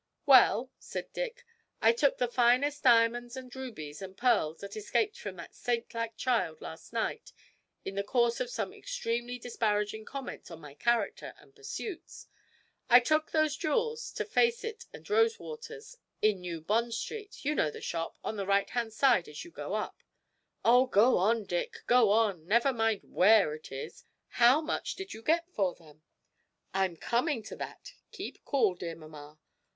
'Well,' said Dick, 'I took the finest diamonds and rubies and pearls that escaped from that saintlike child last night in the course of some extremely disparaging comments on my character and pursuits I took those jewels to Faycett and Rosewater's in New Bond Street you know the shop, on the right hand side as you go up ' 'Oh, go on, Dick; go on never mind where it is how much did you get for them?' 'I'm coming to that; keep cool, dear mamma.